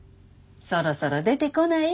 そろそろ出てこない？